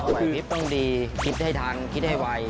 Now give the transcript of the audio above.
ไหวหวิทย์ต้องดีคิดให้ทันคิดให้ไว